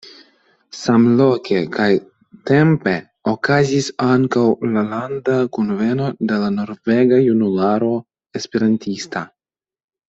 Samloke kaj -tempe okazis ankaŭ la Landa Kunveno de la Norvega Junularo Esperantista.